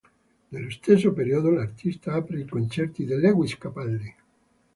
Nello stesso periodo l'artista apre i concerti di Lewis Capaldi.